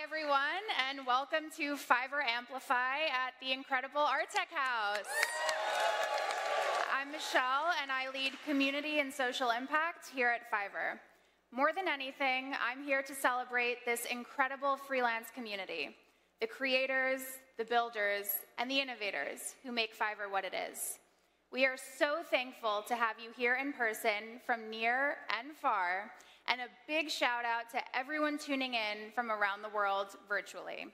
Hi, everyone, and welcome to Fiverr Amplify at the incredible ARTECHOUSE! I'm Michelle, and I lead Community and Social Impact here at Fiverr. More than anything, I'm here to celebrate this incredible freelance community: the creators, the builders, and the innovators who make Fiverr what it is. We are so thankful to have you here in person from near and far, and a big shout-out to everyone tuning in from around the world virtually.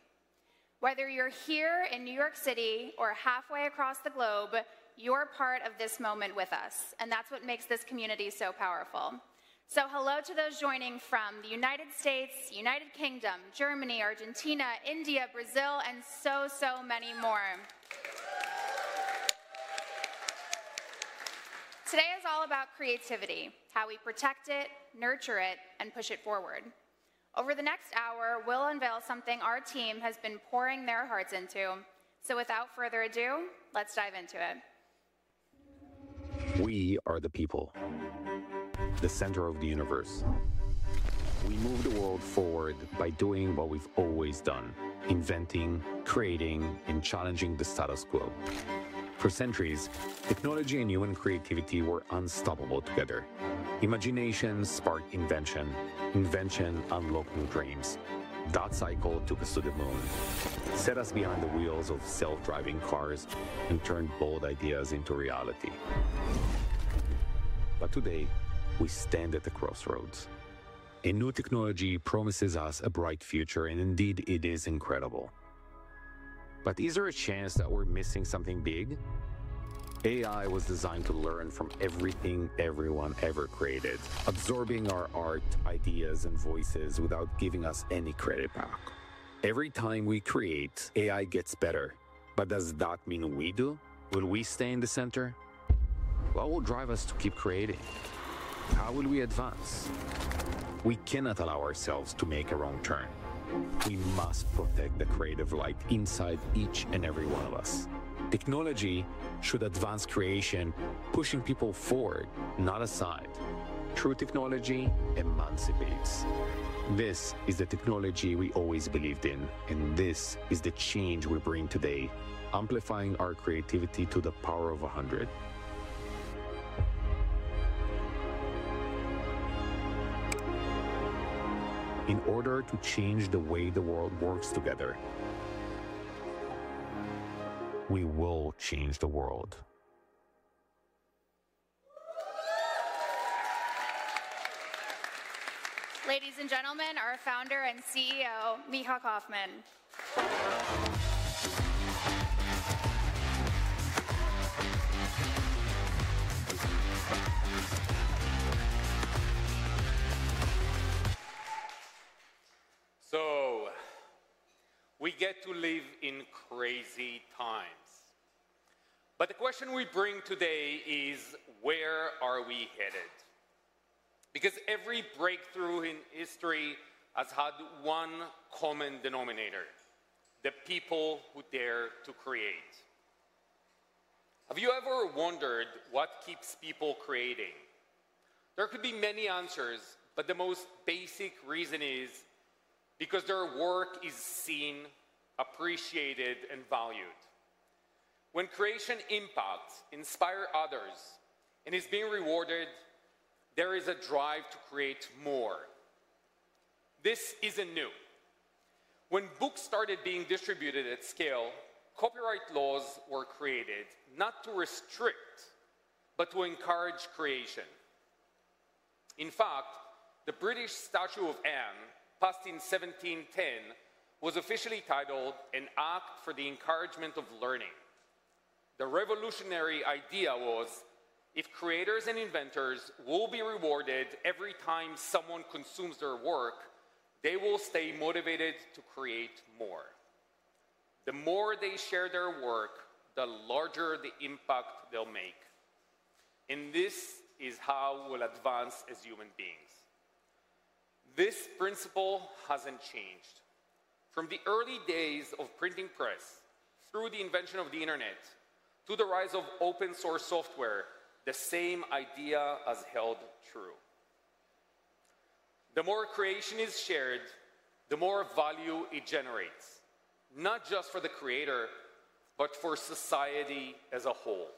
Whether you're here in New York City or halfway across the globe, you're part of this moment with us, and that's what makes this community so powerful. So hello to those joining from the United States, United Kingdom, Germany, Argentina, India, Brazil, and so, so many more. Today is all about creativity: how we protect it, nurture it, and push it forward. Over the next hour, we'll unveil something our team has been pouring their hearts into, so without further ado, let's dive into it. We are the people, the center of the universe. We move the world forward by doing what we've always done: inventing, creating, and challenging the status quo. For centuries, technology and human creativity were unstoppable together. Imagination sparked invention, invention unlocked new dreams. That cycle took us to the moon, set us behind the wheels of self-driving cars, and turned bold ideas into reality. But today, we stand at a crossroads. A new technology promises us a bright future, and indeed, it is incredible. But is there a chance that we're missing something big? AI was designed to learn from everything everyone ever created, absorbing our art, ideas, and voices without giving us any credit back. Every time we create, AI gets better. But does that mean we do? Will we stay in the center? What will drive us to keep creating? How will we advance? We cannot allow ourselves to make a wrong turn. We must protect the creative light inside each and every one of us. Technology should advance creation, pushing people forward, not aside. True technology emancipates. This is the technology we always believed in, and this is the change we bring today, amplifying our creativity to the power of 100. In order to change the way the world works together, we will change the world. Ladies and gentlemen, our founder and CEO, Micha Kaufman. We get to live in crazy times. But the question we bring today is: where are we headed? Because every breakthrough in history has had one common denominator: the people who dare to create. Have you ever wondered what keeps people creating? There could be many answers, but the most basic reason is because their work is seen, appreciated, and valued. When creation impacts, inspires others, and is being rewarded, there is a drive to create more. This isn't new. When books started being distributed at scale, copyright laws were created not to restrict, but to encourage creation. In fact, the British Statute of Anne, passed in 1710, was officially titled "An Act for the Encouragement of Learning." The revolutionary idea was: if creators and inventors will be rewarded every time someone consumes their work, they will stay motivated to create more. The more they share their work, the larger the impact they'll make, and this is how we'll advance as human beings. This principle hasn't changed. From the early days of printing press, through the invention of the internet, to the rise of open-source software, the same idea has held true. The more creation is shared, the more value it generates, not just for the creator, but for society as a whole.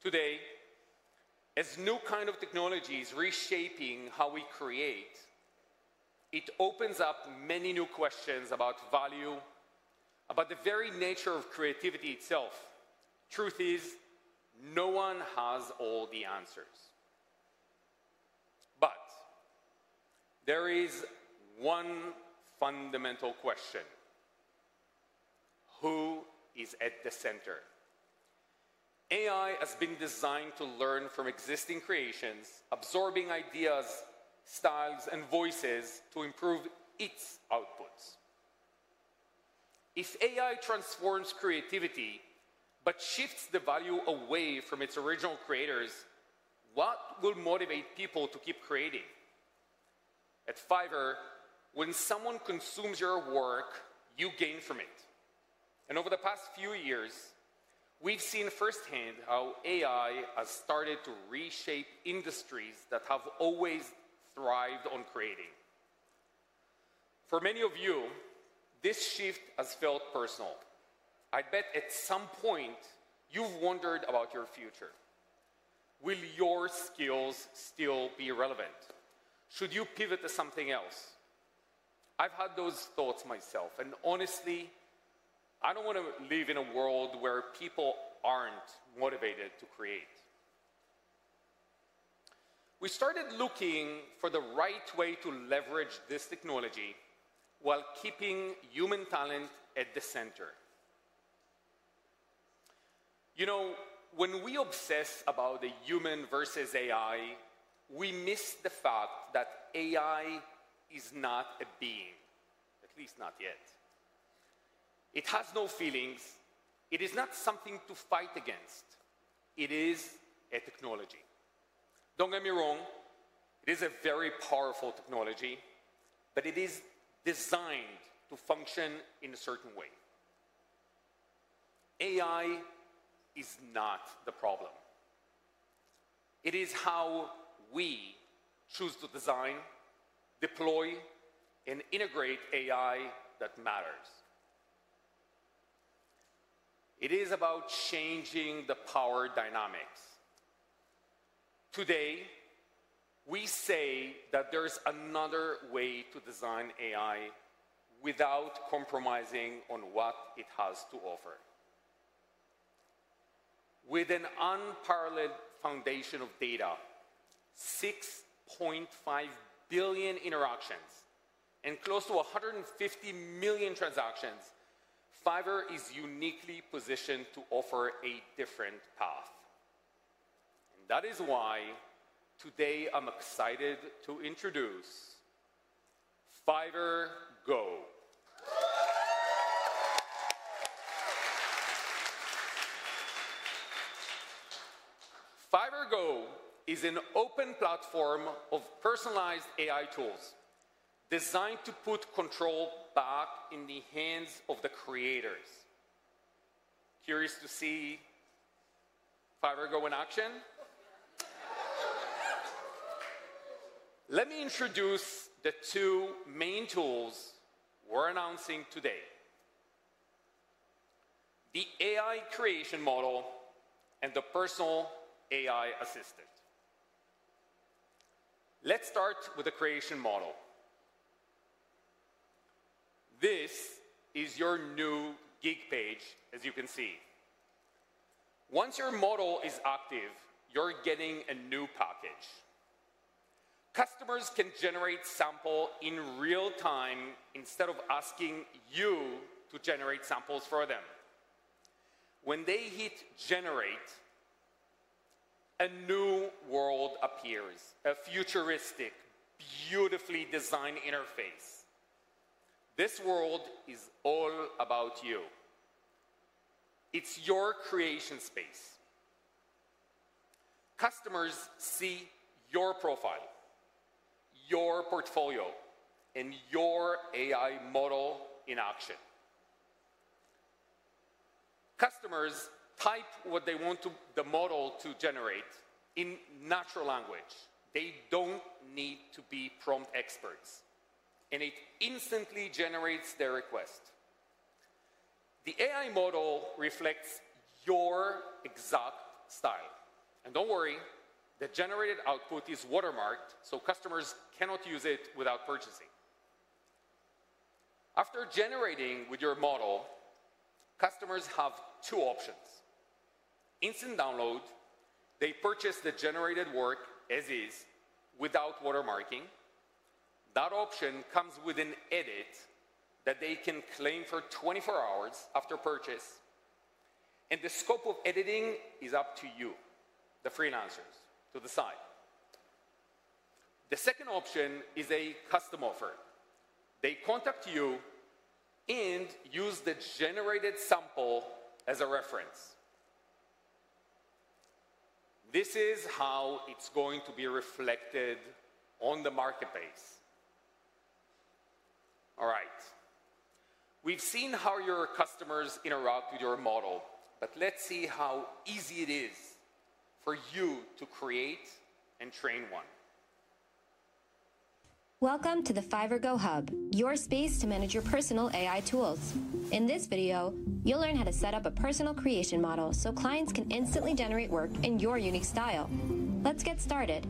Today, as new kinds of technology are reshaping how we create, it opens up many new questions about value, about the very nature of creativity itself. Truth is, no one has all the answers, but there is one fundamental question: who is at the center? AI has been designed to learn from existing creations, absorbing ideas, styles, and voices to improve its outputs. If AI transforms creativity but shifts the value away from its original creators, what will motivate people to keep creating? At Fiverr, when someone consumes your work, you gain from it. And over the past few years, we've seen firsthand how AI has started to reshape industries that have always thrived on creating. For many of you, this shift has felt personal. I bet at some point, you've wondered about your future. Will your skills still be relevant? Should you pivot to something else? I've had those thoughts myself, and honestly, I don't want to live in a world where people aren't motivated to create. We started looking for the right way to leverage this technology while keeping human talent at the center. You know, when we obsess about the human versus AI, we miss the fact that AI is not a being, at least not yet. It has no feelings. It is not something to fight against. It is a technology. Don't get me wrong, it is a very powerful technology, but it is designed to function in a certain way. AI is not the problem. It is how we choose to design, deploy, and integrate AI that matters. It is about changing the power dynamics. Today, we say that there's another way to design AI without compromising on what it has to offer. With an unparalleled foundation of data, 6.5 billion interactions, and close to 150 million transactions, Fiverr is uniquely positioned to offer a different path. And that is why today I'm excited to introduce Fiverr Go. Fiverr Go is an open platform of personalized AI tools designed to put control back in the hands of the creators. Curious to see Fiverr Go in action? Let me introduce the two main tools we're announcing today: the AI Creation Model and the Personal AI Assistant. Let's start with the Creation Model. This is your new gig page, as you can see. Once your model is active, you're getting a new package. Customers can generate samples in real time instead of asking you to generate samples for them. When they hit generate, a new world appears: a futuristic, beautifully designed interface. This world is all about you. It's your creation space. Customers see your profile, your portfolio, and your AI model in action. Customers type what they want the model to generate in natural language. They don't need to be prompt experts, and it instantly generates their request. The AI model reflects your exact style. And don't worry, the generated output is watermarked, so customers cannot use it without purchasing. After generating with your model, customers have two options: instant download. They purchase the generated work as is without watermarking. That option comes with an edit that they can claim for 24 hours after purchase, and the scope of editing is up to you, the freelancers, to decide. The second option is a custom offer. They contact you and use the generated sample as a reference. This is how it's going to be reflected on the marketplace. All right, we've seen how your customers interact with your model, but let's see how easy it is for you to create and train one. Welcome to the Fiverr Go Hub, your space to manage your personal AI tools. In this video, you'll learn how to set up a personal creation model so clients can instantly generate work in your unique style. Let's get started.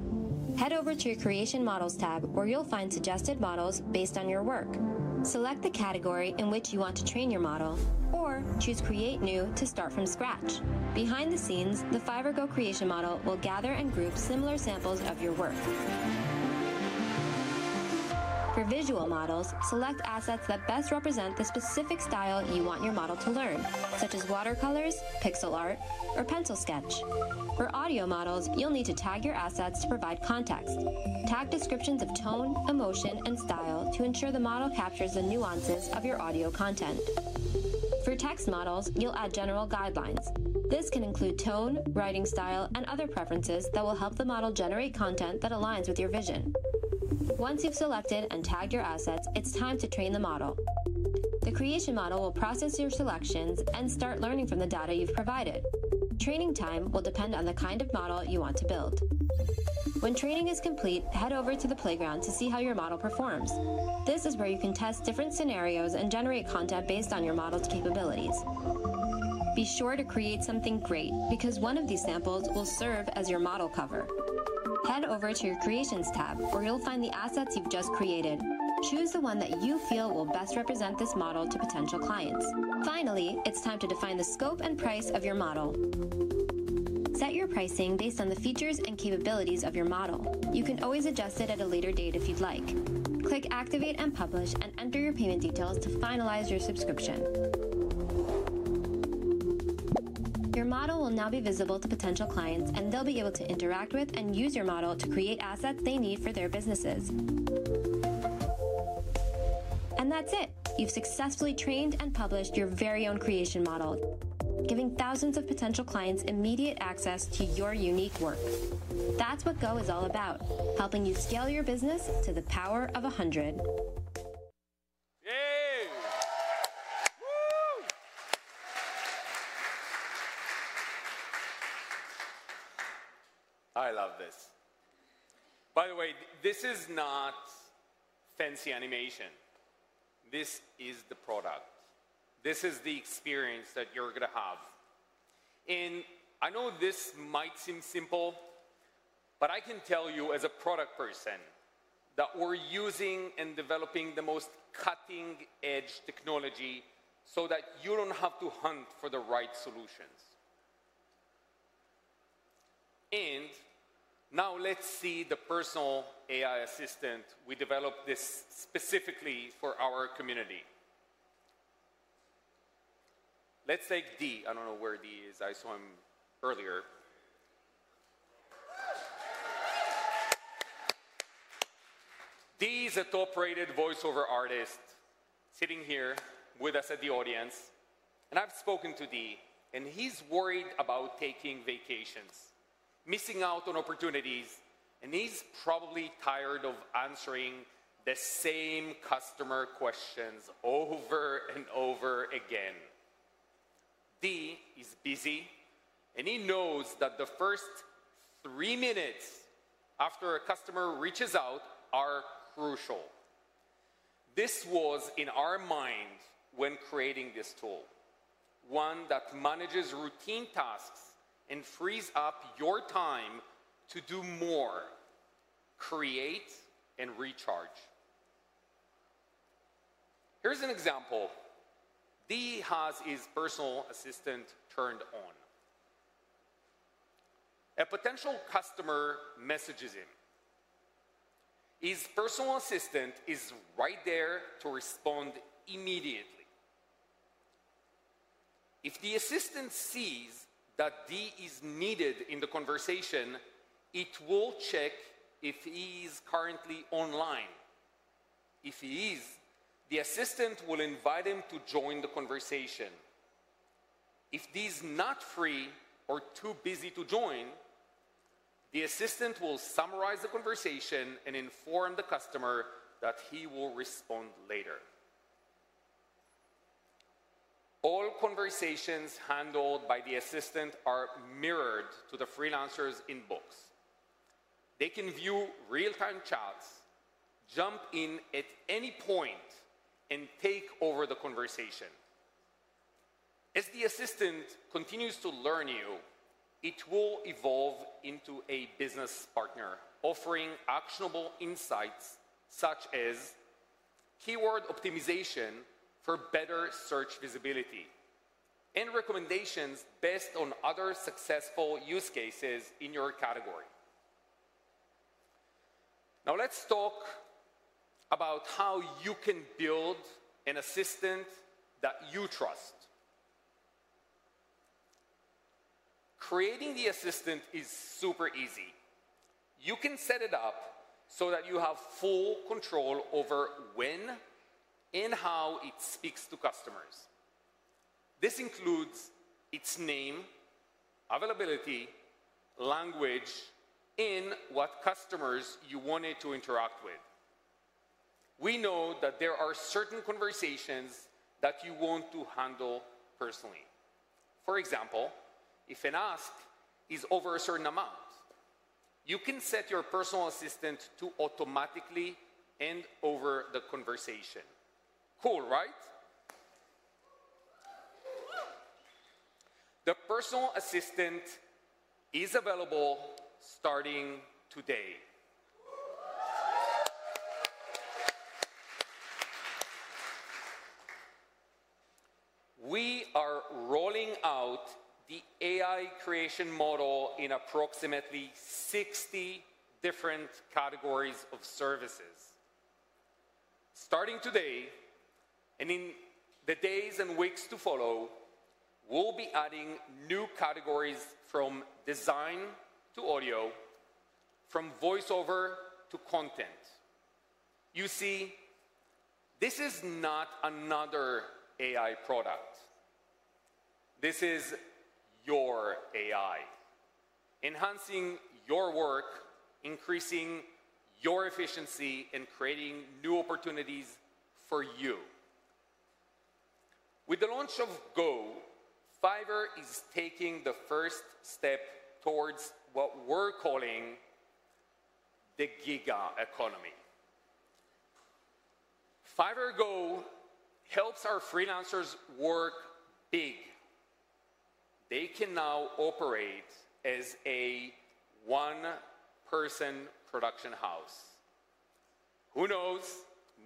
Head over to your Creation Models tab, where you'll find suggested models based on your work. Select the category in which you want to train your model, or choose Create New to start from scratch. Behind the scenes, the Fiverr Go Creation Model will gather and group similar samples of your work. For visual models, select assets that best represent the specific style you want your model to learn, such as watercolors, pixel art, or pencil sketch. For audio models, you'll need to tag your assets to provide context. Tag descriptions of tone, emotion, and style to ensure the model captures the nuances of your audio content. For text models, you'll add general guidelines. This can include tone, writing style, and other preferences that will help the model generate content that aligns with your vision. Once you've selected and tagged your assets, it's time to train the model. The creation model will process your selections and start learning from the data you've provided. Training time will depend on the kind of model you want to build. When training is complete, head over to the Playground to see how your model performs. This is where you can test different scenarios and generate content based on your model's capabilities. Be sure to create something great because one of these samples will serve as your model cover. Head over to your Creations tab, where you'll find the assets you've just created. Choose the one that you feel will best represent this model to potential clients. Finally, it's time to define the scope and price of your model. Set your pricing based on the features and capabilities of your model. You can always adjust it at a later date if you'd like. Click Activate and Publish and enter your payment details to finalize your subscription. Your model will now be visible to potential clients, and they'll be able to interact with and use your model to create assets they need for their businesses. And that's it. You've successfully trained and published your very own creation model, giving thousands of potential clients immediate access to your unique work. That's what Go is all about: helping you scale your business to the power of 100. Yay! Woo! I love this. By the way, this is not fancy animation. This is the product. This is the experience that you're going to have. And I know this might seem simple, but I can tell you as a product person that we're using and developing the most cutting-edge technology so that you don't have to hunt for the right solutions. And now let's see the Personal AI Assistant. We developed this specifically for our community. Let's take D. I don't know where D is. I saw him earlier. D is a top-rated voice-over artist sitting here with us in the audience. And I've spoken to D, and he's worried about taking vacations, missing out on opportunities, and he's probably tired of answering the same customer questions over and over again. D is busy, and he knows that the first three minutes after a customer reaches out are crucial. This was in our minds when creating this tool, one that manages routine tasks and frees up your time to do more, create, and recharge. Here's an example. D has his personal assistant turned on. A potential customer messages him. His personal assistant is right there to respond immediately. If the assistant sees that D is needed in the conversation, it will check if he is currently online. If he is, the assistant will invite him to join the conversation. If D is not free or too busy to join, the assistant will summarize the conversation and inform the customer that he will respond later. All conversations handled by the assistant are mirrored to the freelancer's inbox. They can view real-time chats, jump in at any point, and take over the conversation. As the assistant continues to learn you, it will evolve into a business partner, offering actionable insights such as keyword optimization for better search visibility and recommendations based on other successful use cases in your category. Now let's talk about how you can build an assistant that you trust. Creating the assistant is super easy. You can set it up so that you have full control over when and how it speaks to customers. This includes its name, availability, language, and what customers you want it to interact with. We know that there are certain conversations that you want to handle personally. For example, if an ask is over a certain amount, you can set your personal assistant to automatically hand over the conversation. Cool, right? The personal assistant is available starting today. We are rolling out the AI Creation Model in approximately 60 different categories of services. Starting today and in the days and weeks to follow, we'll be adding new categories from design to audio, from voiceover to content. You see, this is not another AI product. This is your AI, enhancing your work, increasing your efficiency, and creating new opportunities for you. With the launch of Go, Fiverr is taking the first step towards what we're calling the Giga Economy. Fiverr Go helps our freelancers work big. They can now operate as a one-person production house. Who knows?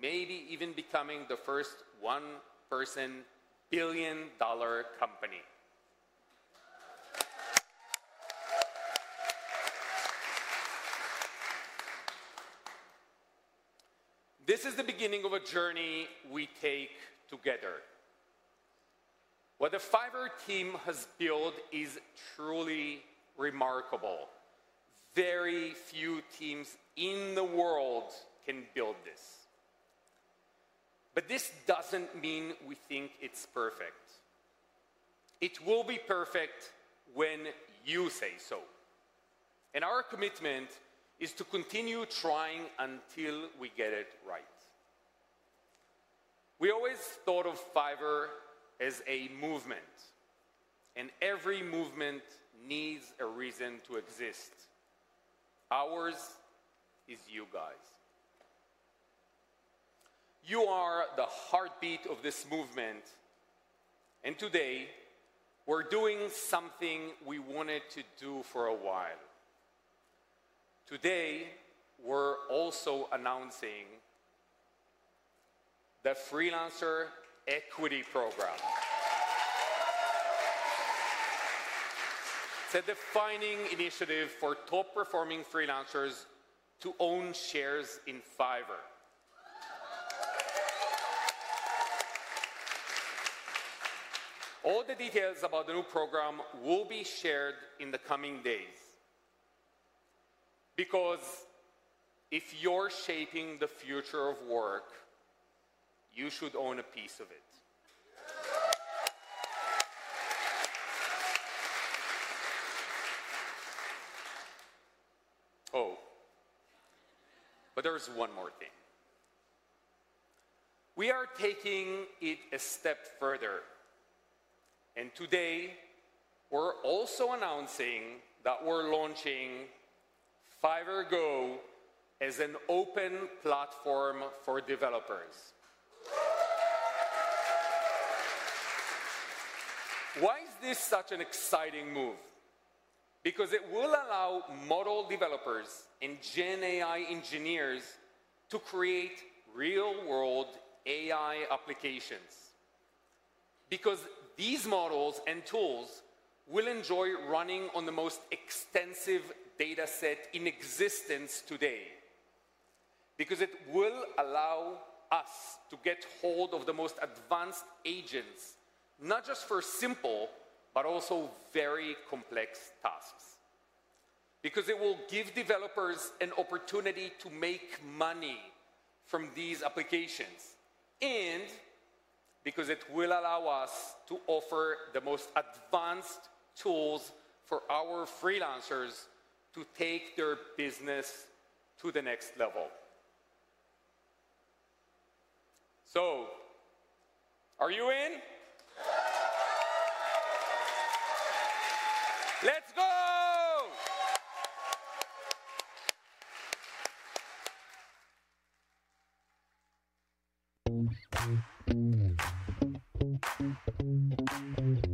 Maybe even becoming the first one-person billion-dollar company. This is the beginning of a journey we take together. What the Fiverr team has built is truly remarkable. Very few teams in the world can build this. But this doesn't mean we think it's perfect. It will be perfect when you say so. And our commitment is to continue trying until we get it right. We always thought of Fiverr as a movement, and every movement needs a reason to exist. Ours is you guys. You are the heartbeat of this movement. And today, we're doing something we wanted to do for a while. Today, we're also announcing the Freelancer Equity Program. It's a defining initiative for top-performing freelancers to own shares in Fiverr. All the details about the new program will be shared in the coming days. Because if you're shaping the future of work, you should own a piece of it. Oh, but there's one more thing. We are taking it a step further. And today, we're also announcing that we're launching Fiverr Go as an open platform for developers. Why is this such an exciting move? Because it will allow model developers and GenAI engineers to create real-world AI applications. Because these models and tools will enjoy running on the most extensive data set in existence today. Because it will allow us to get hold of the most advanced agents, not just for simple, but also very complex tasks. Because it will give developers an opportunity to make money from these applications. And because it will allow us to offer the most advanced tools for our freelancers to take their business to the next level. So, are you in? Let's go!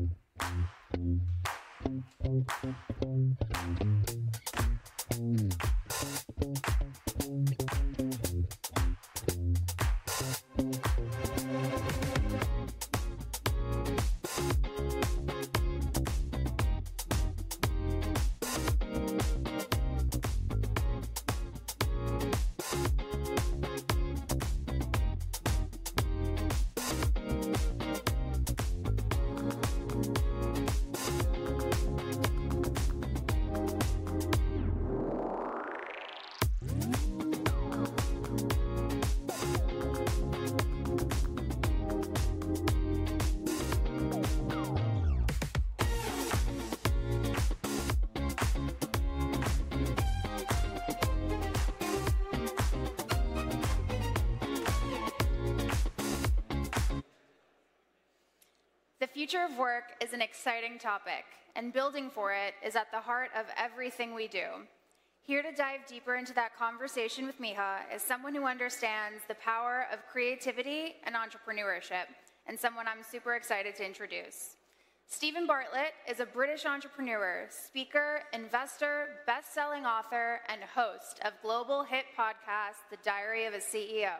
The future of work is an exciting topic, and building for it is at the heart of everything we do. Here to dive deeper into that conversation with Micha is someone who understands the power of creativity and entrepreneurship, and someone I'm super excited to introduce. Steven Bartlett is a British entrepreneur, speaker, investor, best-selling author, and host of global hit podcast, The Diary of a CEO,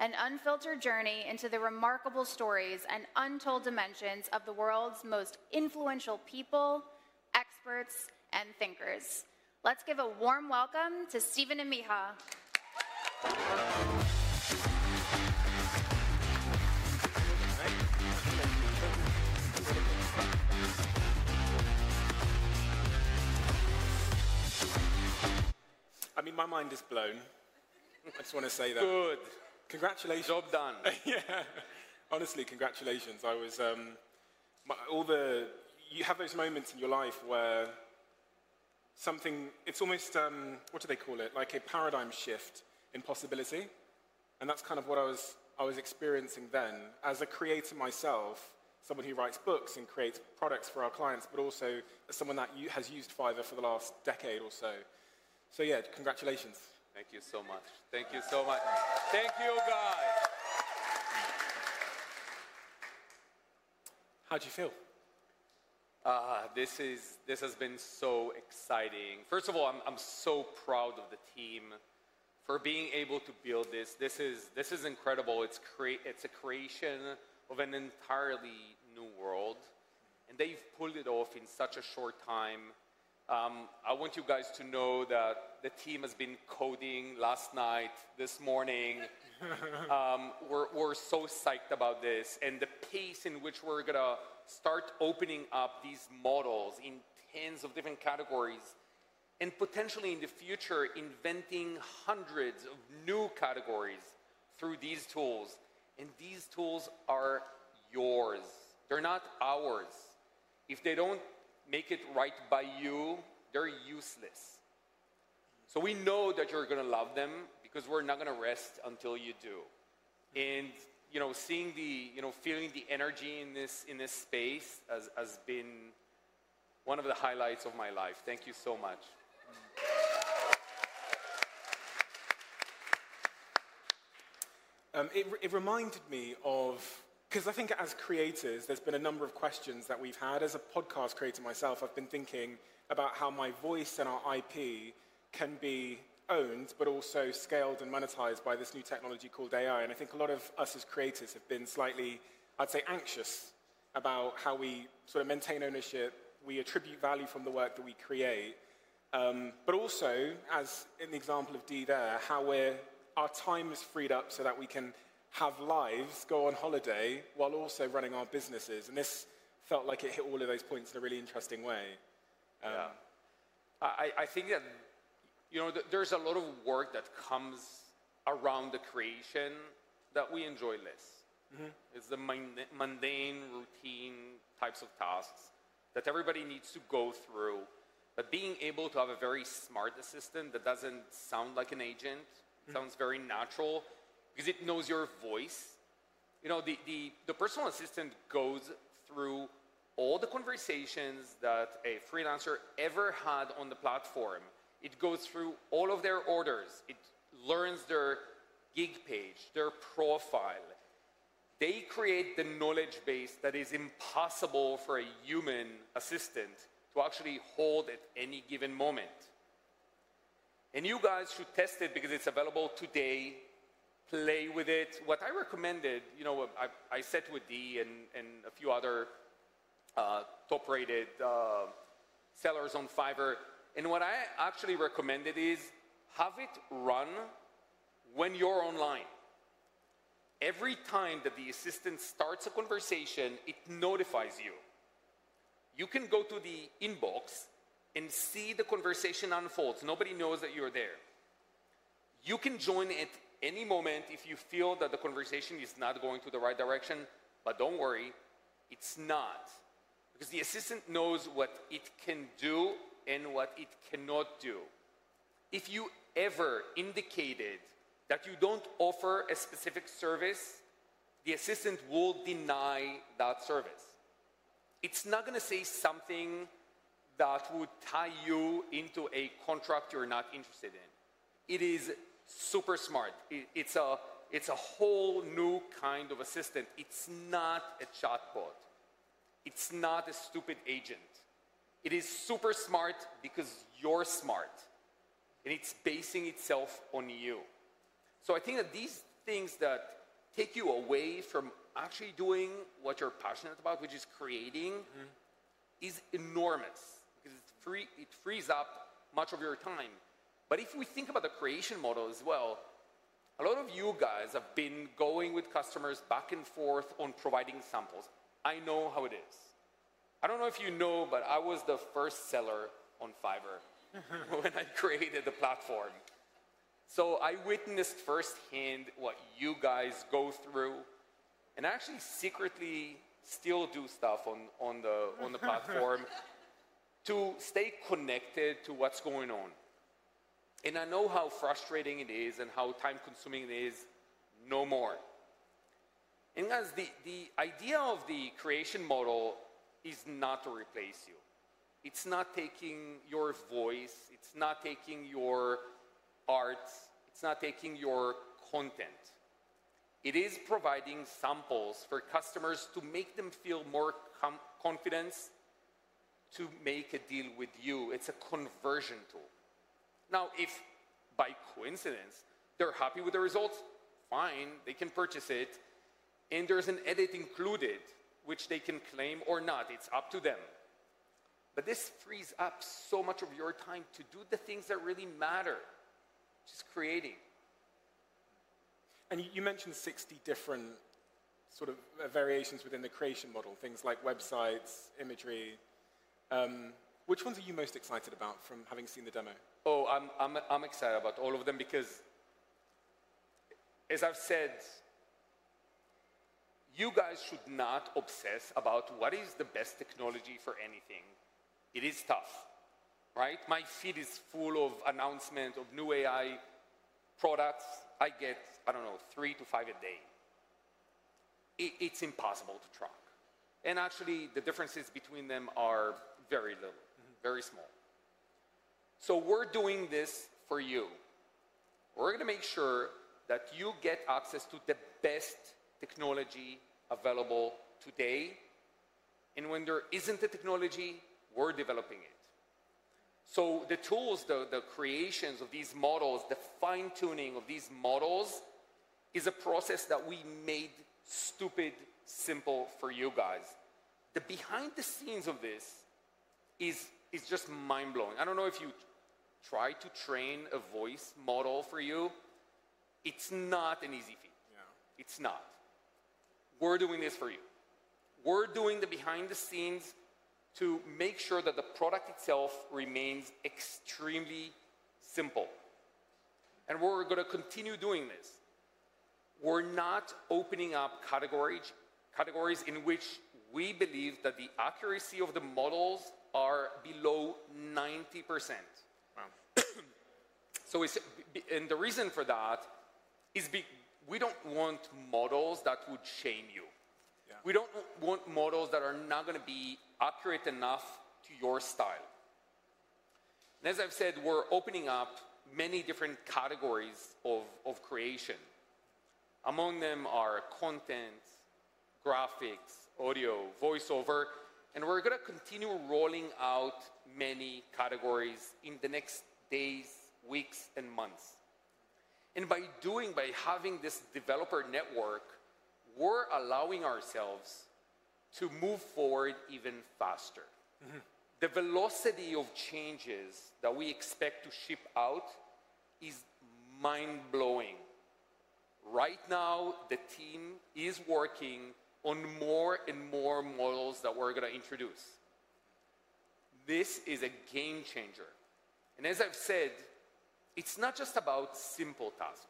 an unfiltered journey into the remarkable stories and untold dimensions of the world's most influential people, experts, and thinkers. Let's give a warm welcome to Steven and Micha. I mean, my mind is blown. I just want to say that. Good. Congratulations. Job done. Yeah. Honestly, congratulations. You have those moments in your life where something, it's almost, what do they call it? Like a paradigm shift in possibility. And that's kind of what I was experiencing then as a creator myself, someone who writes books and creates products for our clients, but also as someone that has used Fiverr for the last decade or so. So yeah, congratulations. Thank you so much. Thank you so much. Thank you, guys. How do you feel? This has been so exciting. First of all, I'm so proud of the team for being able to build this. This is incredible. It's a creation of an entirely new world. They've pulled it off in such a short time. I want you guys to know that the team has been coding last night, this morning. We're so psyched about this. The pace in which we're going to start opening up these models in tens of different categories and potentially in the future inventing hundreds of new categories through these tools. These tools are yours. They're not ours. If they don't make it right by you, they're useless. We know that you're going to love them because we're not going to rest until you do. You know, seeing the, you know, feeling the energy in this space has been one of the highlights of my life. Thank you so much. It reminded me of, because I think as creators, there's been a number of questions that we've had. As a podcast creator myself, I've been thinking about how my voice and our IP can be owned, but also scaled and monetized by this new technology called AI. And I think a lot of us as creators have been slightly, I'd say, anxious about how we sort of maintain ownership. We attribute value from the work that we create. But also, as in the example of D there, how we're, our time is freed up so that we can have lives, go on holiday while also running our businesses. And this felt like it hit all of those points in a really interesting way. Yeah. I think that, you know, there's a lot of work that comes around the creation that we enjoy less. It's the mundane routine types of tasks that everybody needs to go through. But being able to have a very smart assistant that doesn't sound like an agent sounds very natural because it knows your voice. You know, the personal assistant goes through all the conversations that a freelancer ever had on the platform. It goes through all of their orders. It learns their gig page, their profile. They create the knowledge base that is impossible for a human assistant to actually hold at any given moment, and you guys should test it because it's available today. Play with it. What I recommended, you know, I sat with D and a few other top-rated sellers on Fiverr. What I actually recommended is have it run when you're online. Every time that the assistant starts a conversation, it notifies you. You can go to the inbox and see the conversation unfolds. Nobody knows that you're there. You can join at any moment if you feel that the conversation is not going to the right direction. But don't worry, it's not because the assistant knows what it can do and what it cannot do. If you ever indicated that you don't offer a specific service, the assistant will deny that service. It's not going to say something that would tie you into a contract you're not interested in. It is super smart. It's a whole new kind of assistant. It's not a chatbot. It's not a stupid agent. It is super smart because you're smart. It's basing itself on you. So I think that these things that take you away from actually doing what you're passionate about, which is creating, is enormous because it frees up much of your time. But if we think about the creation model as well, a lot of you guys have been going with customers back and forth on providing samples. I know how it is. I don't know if you know, but I was the first seller on Fiverr when I created the platform. So I witnessed firsthand what you guys go through and actually secretly still do stuff on the platform to stay connected to what's going on. And I know how frustrating it is and how time-consuming it is. No more. And guys, the idea of the creation model is not to replace you. It's not taking your voice. It's not taking your art. It's not taking your content. It is providing samples for customers to make them feel more confident to make a deal with you. It's a conversion tool. Now, if by coincidence they're happy with the results, fine, they can purchase it. And there's an edit included, which they can claim or not. It's up to them. But this frees up so much of your time to do the things that really matter, which is creating. And you mentioned 60 different sort of variations within the creation model, things like websites, imagery, which ones are you most excited about from having seen the demo? Oh, I'm excited about all of them because, as I've said, you guys should not obsess about what is the best technology for anything. It is tough, right? My feed is full of announcements of new AI products. I get, I don't know, three to five a day. It's impossible to track. And actually, the differences between them are very little, very small. So we're doing this for you. We're going to make sure that you get access to the best technology available today. And when there isn't a technology, we're developing it. So the tools, the creations of these models, the fine-tuning of these models is a process that we made stupid, simple for you guys. The behind the scenes of this is just mind-blowing. I don't know if you try to train a voice model for you. It's not an easy feat. Yeah. It's not. We're doing this for you. We're doing the behind the scenes to make sure that the product itself remains extremely simple, and we're going to continue doing this. We're not opening up categories in which we believe that the accuracy of the models are below 90%. Wow. So it's, and the reason for that is we don't want models that would shame you. Yeah. We don't want models that are not going to be accurate enough to your style. And as I've said, we're opening up many different categories of creation. Among them are content, graphics, audio, voiceover. And we're going to continue rolling out many categories in the next days, weeks, and months. And by doing, by having this developer network, we're allowing ourselves to move forward even faster. The velocity of changes that we expect to ship out is mind-blowing. Right now, the team is working on more and more models that we're going to introduce. This is a game changer. And as I've said, it's not just about simple tasks.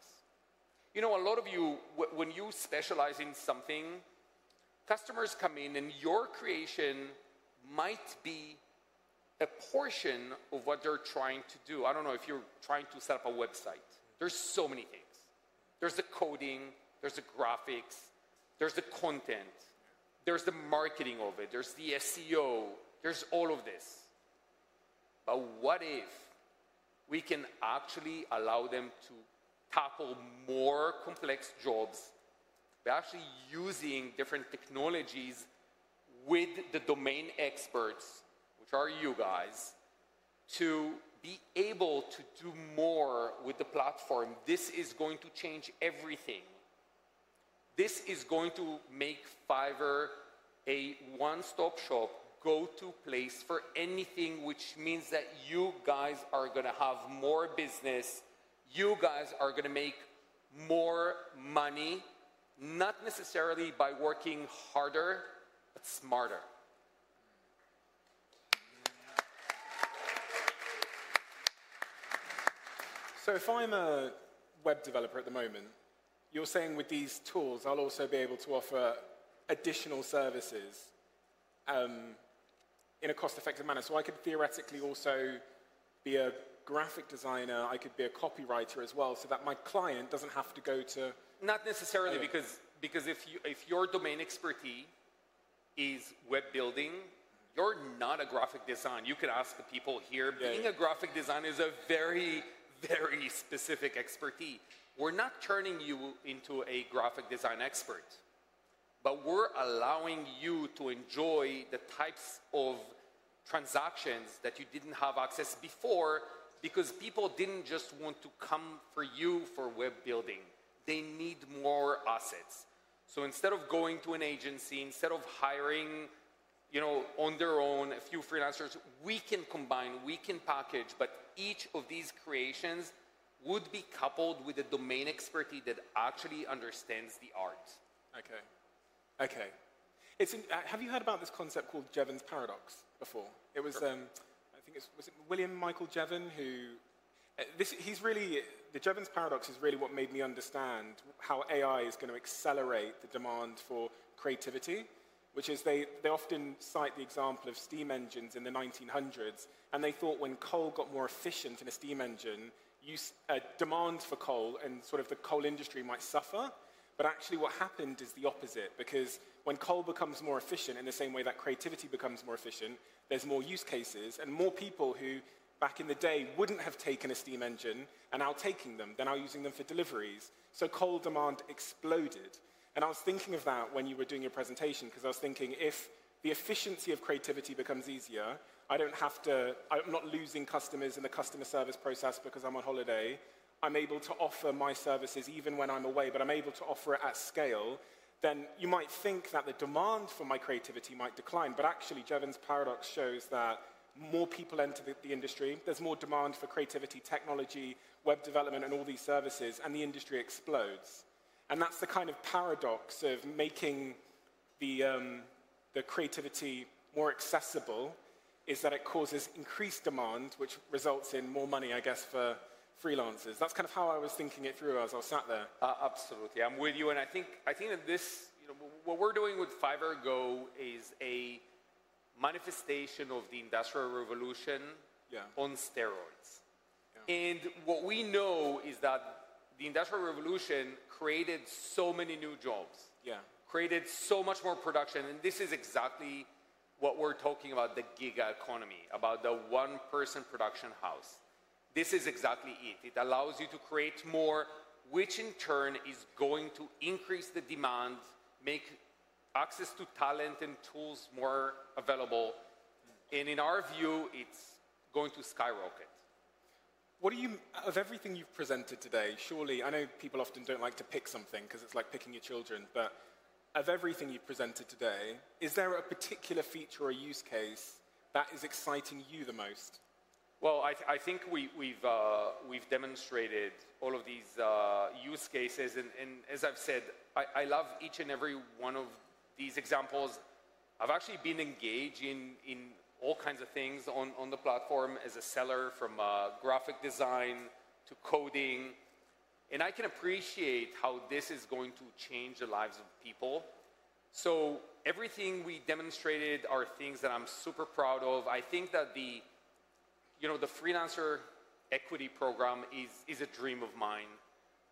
You know, a lot of you, when you specialize in something, customers come in and your creation might be a portion of what they're trying to do. I don't know if you're trying to set up a website. There's so many things. There's the coding, there's the graphics, there's the content, there's the marketing of it, there's the SEO, there's all of this. But what if we can actually allow them to tackle more complex jobs by actually using different technologies with the domain experts, which are you guys, to be able to do more with the platform? This is going to change everything. This is going to make Fiverr a one-stop shop, go-to place for anything, which means that you guys are going to have more business. You guys are going to make more money, not necessarily by working harder, but smarter. So if I'm a web developer at the moment, you're saying with these tools, I'll also be able to offer additional services in a cost-effective manner. So I could theoretically also be a graphic designer. I could be a copywriter as well so that my client doesn't have to go to. Not necessarily because if your domain expertise is web building, you're not a graphic designer. You could ask the people here, being a graphic designer is a very, very specific expertise. We're not turning you into a graphic design expert, but we're allowing you to enjoy the types of transactions that you didn't have access to before because people didn't just want to come for you for web building. They need more assets. So instead of going to an agency, instead of hiring, you know, on their own a few freelancers, we can combine, we can package, but each of these creations would be coupled with a domain expertise that actually understands the art. Okay. Have you heard about this concept called Jevons paradox before? I think it was William Stanley Jevons. The Jevons paradox is really what made me understand how AI is going to accelerate the demand for creativity, which is they often cite the example of steam engines in the 1900s. They thought when coal got more efficient in a steam engine, demand for coal and sort of the coal industry might suffer. But actually what happened is the opposite. Because when coal becomes more efficient in the same way that creativity becomes more efficient, there's more use cases and more people who back in the day wouldn't have taken a steam engine and now taking them, they're now using them for deliveries. So coal demand exploded. And I was thinking of that when you were doing your presentation because I was thinking if the efficiency of creativity becomes easier. I don't have to. I'm not losing customers in the customer service process because I'm on holiday. I'm able to offer my services even when I'm away, but I'm able to offer it at scale. Then you might think that the demand for my creativity might decline, but actually Jevons paradox shows that more people enter the industry. There's more demand for creativity, technology, web development, and all these services, and the industry explodes. And that's the kind of paradox of making the creativity more accessible is that it causes increased demand, which results in more money, I guess, for freelancers. That's kind of how I was thinking it through as I sat there. Absolutely. I'm with you. And I think that this, you know, what we're doing with Fiverr Go is a manifestation of the Industrial Revolution. Yeah. On steroids, and what we know is that the Industrial Revolution created so many new jobs. Yeah. Created so much more production. And this is exactly what we're talking about, the Giga Economy, about the one-person production house. This is exactly it. It allows you to create more, which in turn is going to increase the demand, make access to talent and tools more available. And in our view, it's going to skyrocket. What about you, of everything you've presented today? Surely I know people often don't like to pick something because it's like picking your children, but of everything you've presented today, is there a particular feature or a use case that is exciting you the most? I think we've demonstrated all of these use cases. As I've said, I love each and every one of these examples. I've actually been engaged in all kinds of things on the platform as a seller from graphic design to coding. I can appreciate how this is going to change the lives of people. Everything we demonstrated are things that I'm super proud of. I think that you know the Freelancer Equity Program is a dream of mine.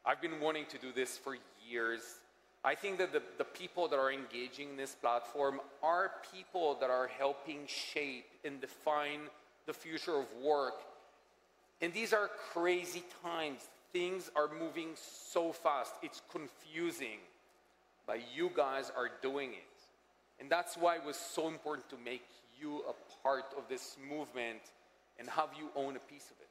I've been wanting to do this for years. I think that the people that are engaging in this platform are people that are helping shape and define the future of work. These are crazy times. Things are moving so fast. It's confusing, but you guys are doing it. That's why it was so important to make you a part of this movement and have you own a piece of it.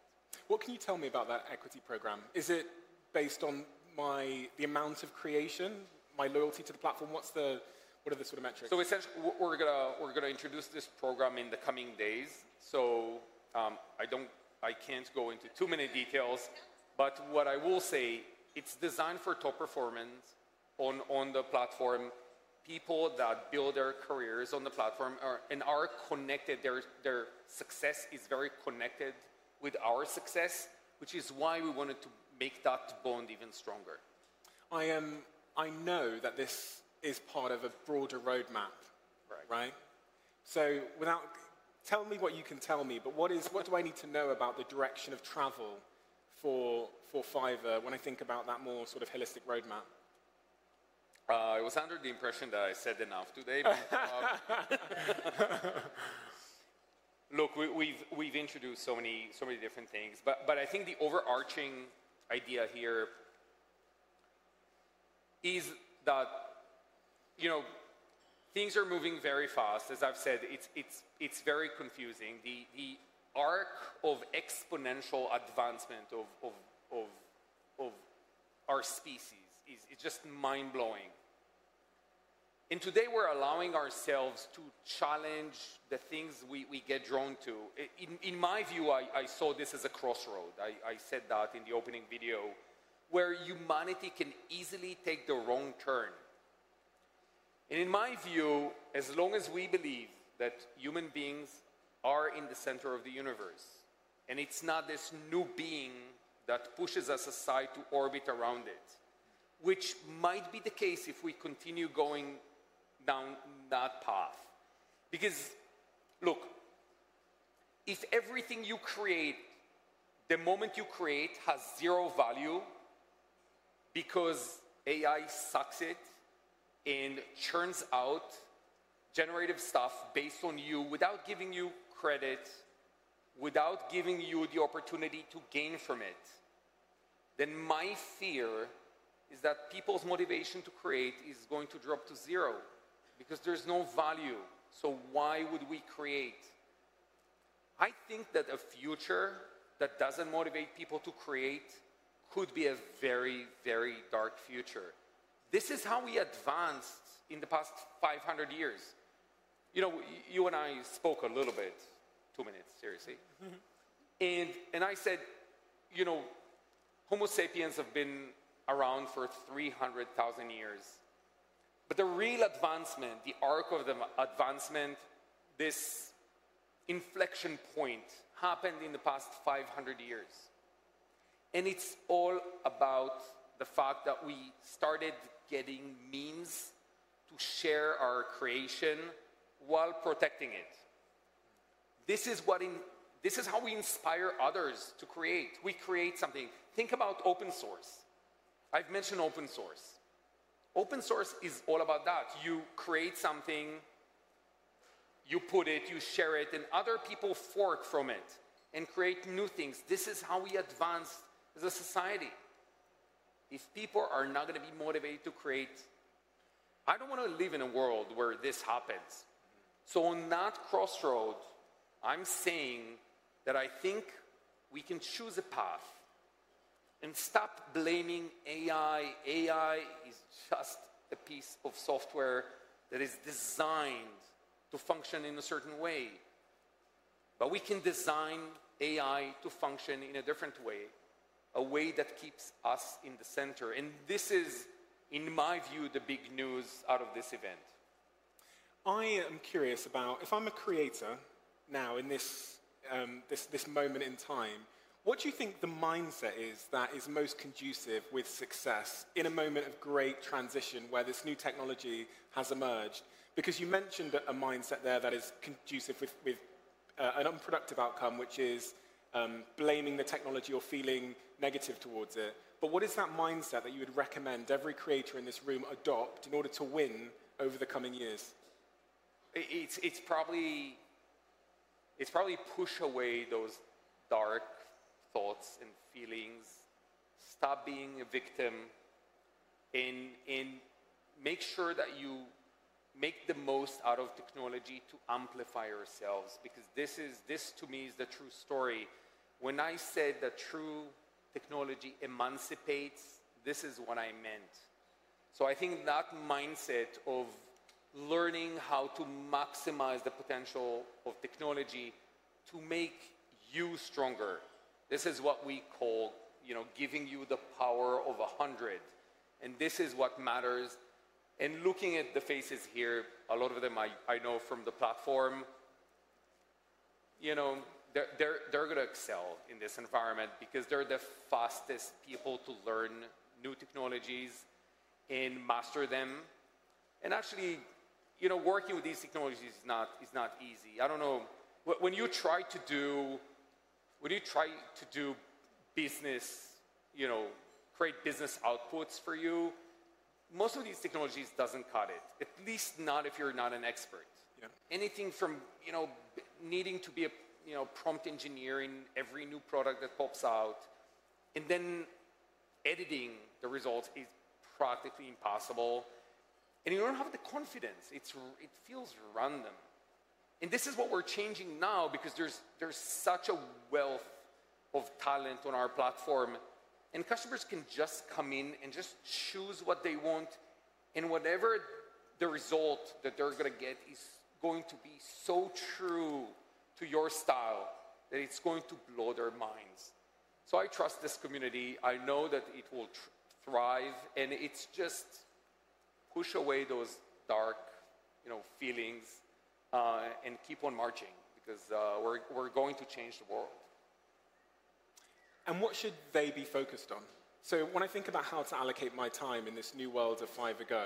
What can you tell me about that equity program? Is it based on my, the amount of creation, my loyalty to the platform? What are the sort of metrics? So essentially we're going to introduce this program in the coming days. So, I can't go into too many details, but what I will say, it's designed for top performance on the platform. People that build their careers on the platform are connected, their success is very connected with our success, which is why we wanted to make that bond even stronger. I am. I know that this is part of a broader roadmap. Right. Right? So without, tell me what you can tell me, but what is, what do I need to know about the direction of travel for, for Fiverr when I think about that more sort of holistic roadmap? I was under the impression that I said enough today. Look, we've introduced so many different things, but I think the overarching idea here is that, you know, things are moving very fast. As I've said, it's very confusing. The arc of exponential advancement of our species is just mind-blowing. And today we're allowing ourselves to challenge the things we get drawn to. In my view, I saw this as a crossroad. I said that in the opening video where humanity can easily take the wrong turn. And in my view, as long as we believe that human beings are in the center of the universe and it's not this new being that pushes us aside to orbit around it, which might be the case if we continue going down that path. Because look, if everything you create, the moment you create has zero value because AI sucks it and churns out generative stuff based on you without giving you credit, without giving you the opportunity to gain from it, then my fear is that people's motivation to create is going to drop to zero because there's no value. So why would we create? I think that a future that doesn't motivate people to create could be a very, very dark future. This is how we advanced in the past 500 years. You know, you and I spoke a little bit, two minutes, seriously. And I said, you know, Homo sapiens have been around for 300,000 years, but the real advancement, the arc of the advancement, this inflection point happened in the past 500 years. And it's all about the fact that we started getting means to share our creation while protecting it. This is what, this is how we inspire others to create. We create something. Think about open source. I've mentioned open source. Open source is all about that. You create something, you put it, you share it, and other people fork from it and create new things. This is how we advance as a society. If people are not going to be motivated to create, I don't want to live in a world where this happens. So on that crossroads, I'm saying that I think we can choose a path and stop blaming AI. AI is just a piece of software that is designed to function in a certain way. But we can design AI to function in a different way, a way that keeps us in the center. This is, in my view, the big news out of this event. I am curious about if I'm a creator now in this moment in time, what do you think the mindset is that is most conducive with success in a moment of great transition where this new technology has emerged? Because you mentioned a mindset there that is conducive with an unproductive outcome, which is blaming the technology or feeling negative towards it. But what is that mindset that you would recommend every creator in this room adopt in order to win over the coming years? It's probably push away those dark thoughts and feelings, stop being a victim, and make sure that you make the most out of technology to amplify yourselves. Because this to me is the true story. When I said that true technology emancipates, this is what I meant. So I think that mindset of learning how to maximize the potential of technology to make you stronger, this is what we call, you know, giving you the power of a hundred. And this is what matters. And looking at the faces here, a lot of them I know from the platform, you know, they're going to excel in this environment because they're the fastest people to learn new technologies and master them. And actually, you know, working with these technologies is not easy. I don't know. When you try to do business, you know, create business outputs for you, most of these technologies don't cut it, at least not if you're not an expert. Yeah. Anything from, you know, needing to be a, you know, prompt engineering every new product that pops out and then editing the results is practically impossible. And you don't have the confidence. It feels random. And this is what we're changing now because there's such a wealth of talent on our platform. And customers can just come in and just choose what they want. And whatever the result that they're going to get is going to be so true to your style that it's going to blow their minds. So I trust this community. I know that it will thrive. And it's just push away those dark, you know, feelings, and keep on marching because we're going to change the world. What should they be focused on? When I think about how to allocate my time in this new world of Fiverr Go,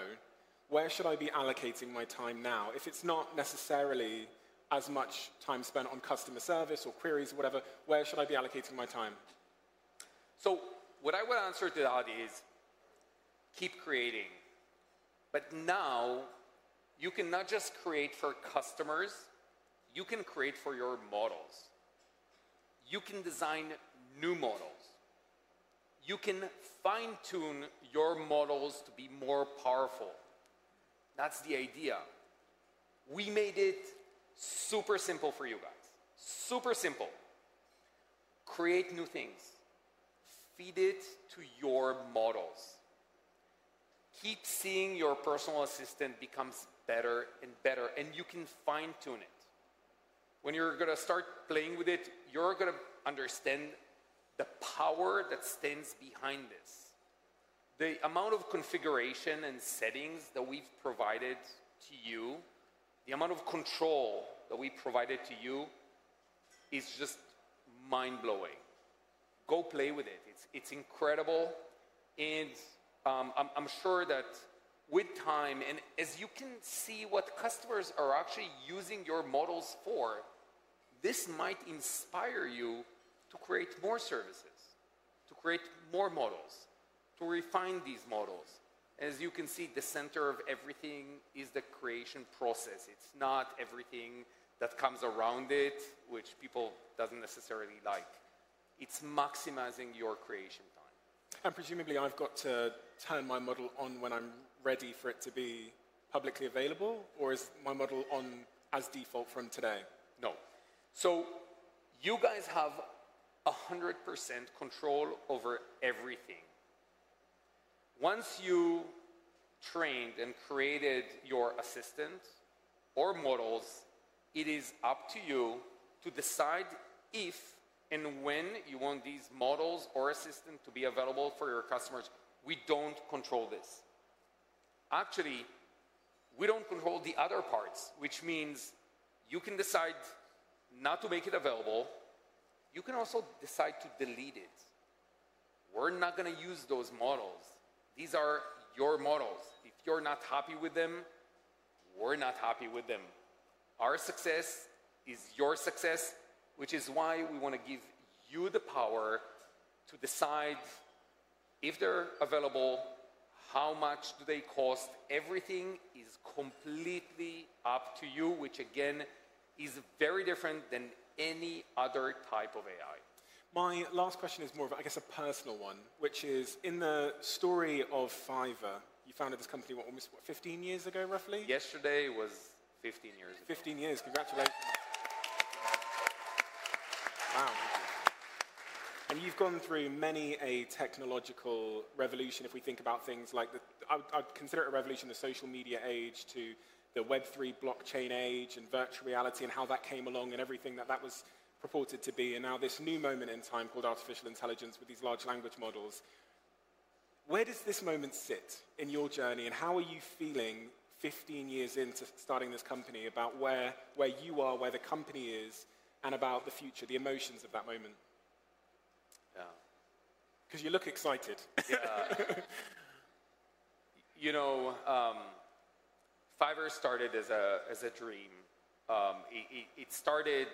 where should I be allocating my time now? If it's not necessarily as much time spent on customer service or queries or whatever, where should I be allocating my time? So what I would answer to that is keep creating. But now you can not just create for customers, you can create for your models. You can design new models. You can fine-tune your models to be more powerful. That's the idea. We made it super simple for you guys. Super simple. Create new things. Feed it to your models. Keep seeing your personal assistant become better and better, and you can fine-tune it. When you're going to start playing with it, you're going to understand the power that stands behind this. The amount of configuration and settings that we've provided to you, the amount of control that we provided to you is just mind-blowing. Go play with it. It's, it's incredible. I'm sure that with time and as you can see what customers are actually using your models for, this might inspire you to create more services, to create more models, to refine these models. As you can see, the center of everything is the creation process. It's not everything that comes around it, which people don't necessarily like. It's maximizing your creation time. Presumably I've got to turn my model on when I'm ready for it to be publicly available, or is my model on as default from today? No. So you guys have 100% control over everything. Once you trained and created your assistant or models, it is up to you to decide if and when you want these models or assistants to be available for your customers. We don't control this. Actually, we don't control the other parts, which means you can decide not to make it available. You can also decide to delete it. We're not going to use those models. These are your models. If you're not happy with them, we're not happy with them. Our success is your success, which is why we want to give you the power to decide if they're available, how much do they cost. Everything is completely up to you, which again is very different than any other type of AI. My last question is more of, I guess, a personal one, which is in the story of Fiverr, you founded this company almost what, 15 years ago roughly? Yesterday was 15 years ago. 15 years. Congratulations. Wow. And you've gone through many a technological revolution. If we think about things like the, I'd consider it a revolution, the social media age to the Web3 blockchain age and virtual reality and how that came along and everything that that was purported to be. And now this new moment in time called artificial intelligence with these large language models. Where does this moment sit in your journey and how are you feeling 15 years into starting this company about where, where you are, where the company is and about the future, the emotions of that moment? Yeah. Because you look excited. Yeah. You know, Fiverr started as a dream. It started.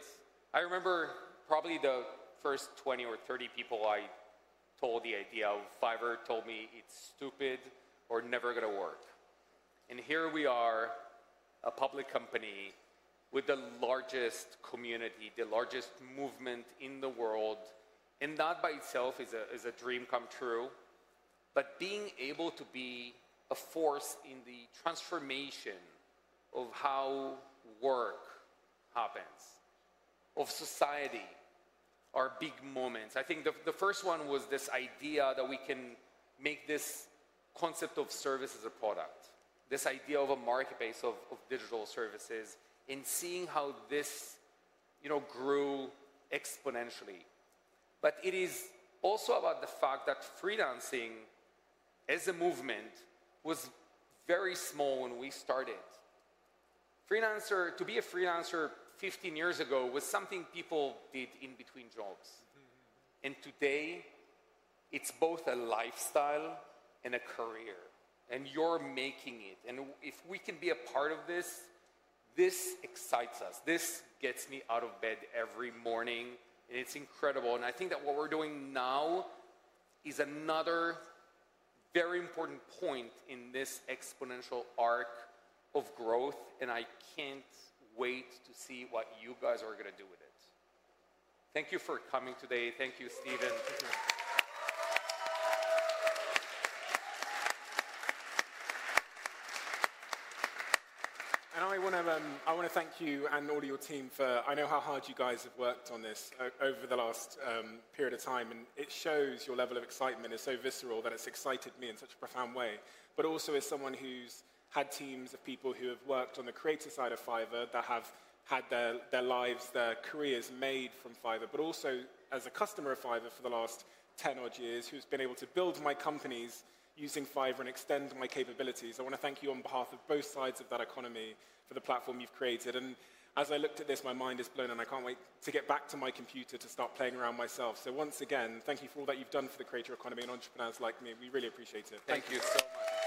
I remember probably the first 20 or 30 people I told the idea of Fiverr told me it's stupid or never going to work. And here we are, a public company with the largest community, the largest movement in the world. And that by itself is a dream come true. But being able to be a force in the transformation of how work happens, of society, are big moments. I think the first one was this idea that we can make this concept of service as a product, this idea of a marketplace of digital services and seeing how this, you know, grew exponentially. But it is also about the fact that freelancing as a movement was very small when we started. Freelancer, to be a freelancer 15 years ago was something people did in between jobs. And today it's both a lifestyle and a career. And you're making it. And if we can be a part of this, this excites us. This gets me out of bed every morning. And it's incredible. And I think that what we're doing now is another very important point in this exponential arc of growth. And I can't wait to see what you guys are going to do with it. Thank you for coming today. Thank you, Steven. And I want to, I want to thank you and all your team for. I know how hard you guys have worked on this over the last period of time. And it shows your level of excitement is so visceral that it's excited me in such a profound way. But also as someone who's had teams of people who have worked on the creative side of Fiverr that have had their lives, their careers made from Fiverr, but also as a customer of Fiverr for the last 10 odd years who's been able to build my companies using Fiverr and extend my capabilities. I want to thank you on behalf of both sides of that economy for the platform you've created. And as I looked at this, my mind is blown and I can't wait to get back to my computer to start playing around myself. So once again, thank you for all that you've done for the creator economy and entrepreneurs like me. We really appreciate it. Thank you so much.